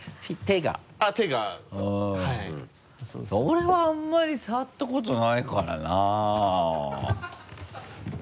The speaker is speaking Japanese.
俺はあんまり触ったことないからな。